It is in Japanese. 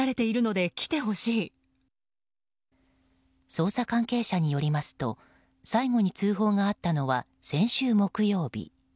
捜査関係者によりますと最後に通報があったのは先週木曜日。